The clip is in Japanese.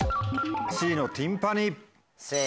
「Ｃのティンパニ」。